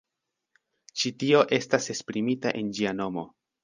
Ĉi tio estas esprimita en ĝia nomo.